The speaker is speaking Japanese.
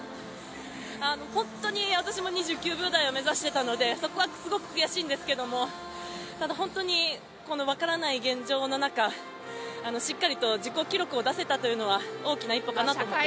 本当に私も２９秒台を目指してたのでそこはすごく悔しいんですけれども、ただ、本当に分からない現状の中しっかりと自己記録を出せたというのは大きな一歩かなと思います。